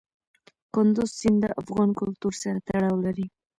کندز سیند د افغان کلتور سره تړاو لري.